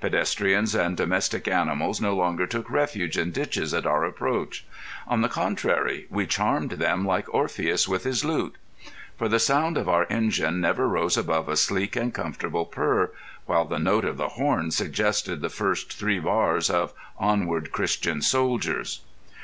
Pedestrians and domestic animals no longer took refuge in ditches at our approach. On the contrary, we charmed them like Orpheus with his lute; for the sound of our engine never rose above a sleek and comfortable purr, while the note of the horn suggested the first three bars of "Onward, Christian Soldiers!"